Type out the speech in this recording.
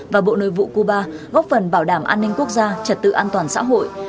và bộ nội vụ cuba góp phần bảo đảm an ninh quốc gia trật tự an toàn xã hội